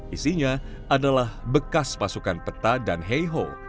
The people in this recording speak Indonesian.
isinya adalah bekas pasukan peta dan heiho